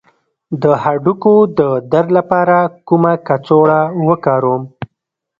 د هډوکو د درد لپاره کومه کڅوړه وکاروم؟